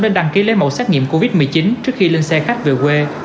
đến đăng ký lấy mẫu xác nghiệm covid một mươi chín trước khi lên xe khách về quê